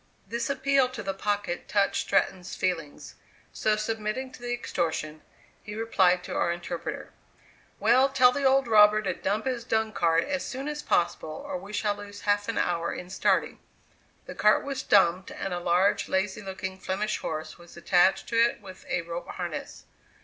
This appeal to the pocket touched Stratton's feelings; so submitting to the extortion, he replied to our interpreter, "Well, tell the old robber to dump his dung cart as soon as possible, or we shall lose half an hour in starting." The cart was "dumped" and a large, lazy looking Flemish horse was attached to it with a rope harness.